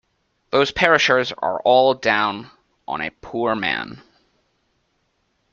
Those perishers are all down on a poor man.